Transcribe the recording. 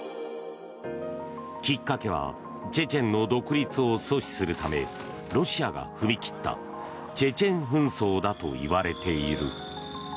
きっかけはチェチェンの独立を阻止するためロシアが踏み切ったチェチェン紛争だといわれている。